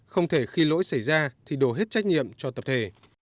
không thể khi lỗi xảy ra thì đổ hết trách nhiệm cho tập thể